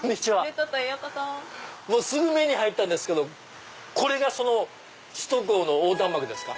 もうすぐ目に入ったんですけどこれが首都高の横断幕ですか？